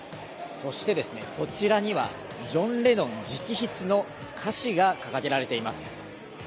そしてですね、こちらにはジョン・レノン直筆の歌詞が掲げられています。